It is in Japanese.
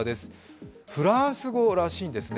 フランス語らしいですね。